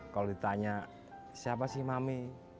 kalau ditanya siapa sih mami